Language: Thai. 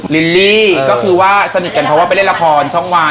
ลิลิก็คือว่าสนิทแก่นเขาไปเล่นราคารช่องวาน